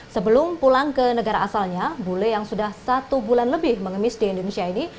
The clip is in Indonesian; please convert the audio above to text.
sebelum pulang ke negara asalnya bule yang sudah satu bulan lebih mengemis di indonesia ini